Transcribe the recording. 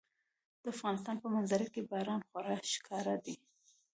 د افغانستان په منظره کې باران خورا ښکاره دی.